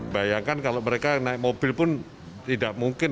bayangkan kalau mereka yang naik mobil pun tidak mungkin